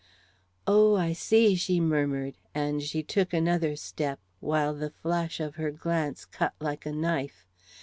"Oh, I see," she murmured; and she took another step, while the flash of her glance cut like a knife.